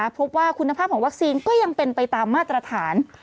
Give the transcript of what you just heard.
พบว่าคุณภาพของวัคซีนก็ยังเป็นไปตามมาตรฐาน